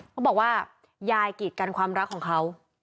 เขาบอกว่ายายกีดกันความรักของเขา